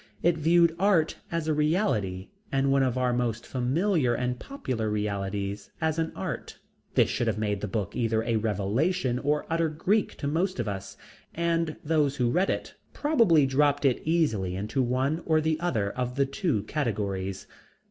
It viewed art as a reality, and one of our most familiar and popular realities as an art. This should have made the book either a revelation or utter Greek to most of us, and those who read it probably dropped it easily into one or the other of the two categories.